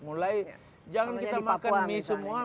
mulai jangan kita makan mie semua